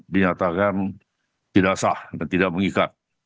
dinyatakan tidak sah dan tidak mengikat